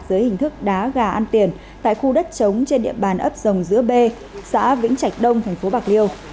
dưới hình thức đá gà ăn tiền tại khu đất trống trên địa bàn ấp rồng giữa b xã vĩnh trạch đông thành phố bạc liêu